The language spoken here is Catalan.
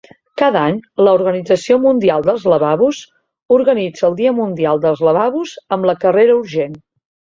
Cada any, la Organització Mundial dels Lavabos organitza el Dia Mundial dels Lavabos amb la "Carrera urgent".